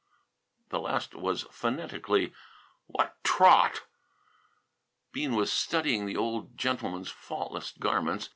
The last was, phonetically, "Wha' trawt!" Bean was studying the old gentleman's faultless garments.